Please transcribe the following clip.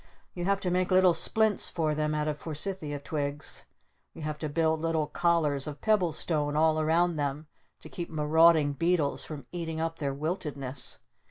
You have to make little splints for them out of Forsythia twigs. You have to build little collars of pebble stone all around them to keep marauding beetles from eating up their wiltedness.